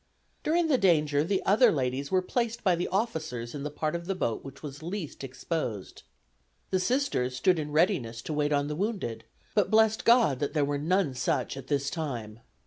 During the danger the other ladies were placed by the officers in the part of the boat which was least exposed. The Sisters stood in readiness to wait on the wounded, but blessed God that there were none such this time.